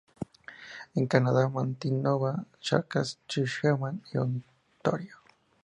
En Canadá: Manitoba, Saskatchewan y Ontario.